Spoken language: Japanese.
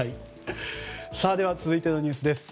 続いてのニュースです。